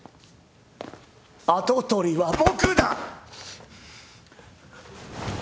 跡取りは僕だ！